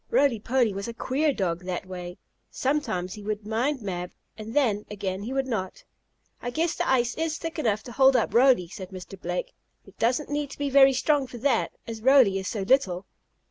Roly Poly was a queer dog that way. Sometimes he would mind Mab, and then, again, he would not. "I guess the ice is thick enough to hold up Roly," said Mr. Blake. "It doesn't need to be very strong for that, as Roly is so little."